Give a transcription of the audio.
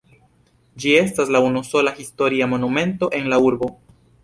Ĝi estas la unusola historia monumento en la urbo.